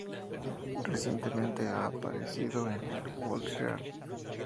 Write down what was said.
Recientemente ha aparecido en el Who's Real?